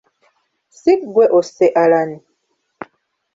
Si ggwe osse Allan?